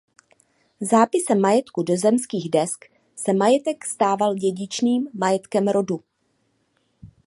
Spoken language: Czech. Zápisem majetku do zemských desk se majetek stával dědičným majetkem rodu.